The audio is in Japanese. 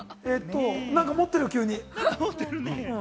何か持ってる、急に。